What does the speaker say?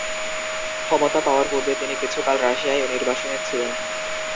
ক্ষমতা পাওয়ার পূর্বে তিনি কিছুকাল রাশিয়ায় নির্বাসনে ছিলেন।